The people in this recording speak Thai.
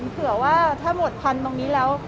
เผื่อว่าถ้าหมดพันธุ์ตรงนี้แล้ว